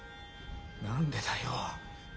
何でだよ。